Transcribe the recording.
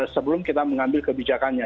sebelum kita mengambil kebijakannya